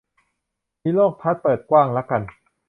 มีโลกทัศน์เปิดกว้างละกัน